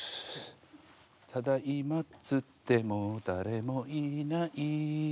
「ただいまっつっても誰もいない」